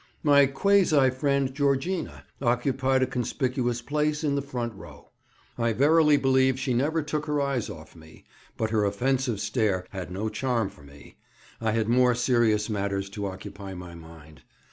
My quasi friend Georgina occupied a conspicuous place in the front row. I verily believe she never took her eyes off me, but her offensive stare had no charm for me; I had more serious matters to occupy my mind.